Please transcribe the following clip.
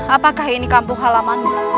apakah ini kampung halamanmu